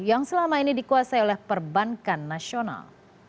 yang selama ini dikuasai oleh perbankan nasional